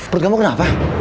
perut kamu kenapa